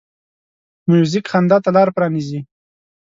موزیک خندا ته لاره پرانیزي.